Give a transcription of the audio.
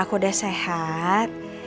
aku udah sehat